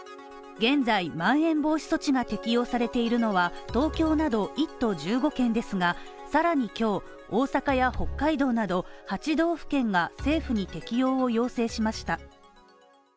現在、まん延防止措置が適用されているのは、東京など１都１５県ですが、さらに今日、大阪や北海道など８道府県が政府に適用を要請しました。